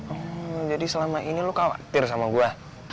oh jadi selama ini lo khawatir sama gue